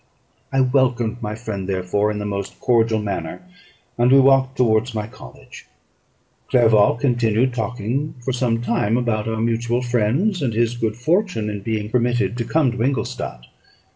I welcomed my friend, therefore, in the most cordial manner, and we walked towards my college. Clerval continued talking for some time about our mutual friends, and his own good fortune in being permitted to come to Ingolstadt.